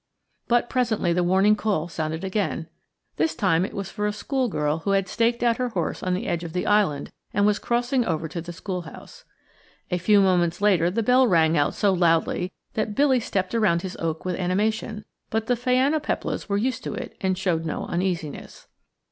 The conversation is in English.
But presently the warning call sounded again. This time it was for a schoolgirl who had staked out her horse on the edge of the island and was crossing over to the schoolhouse. A few moments later the bell rang out so loudly that Billy stepped around his oak with animation, but the phainopeplas were used to it and showed no uneasiness.